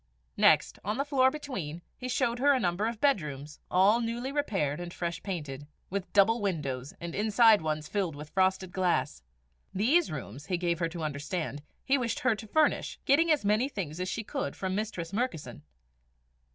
Next, on the floor between, he showed her a number of bedrooms, all newly repaired and fresh painted, with double windows, the inside ones filled with frosted glass. These rooms, he gave her to understand, he wished her to furnish, getting as many things as she could from Mistress Murkison.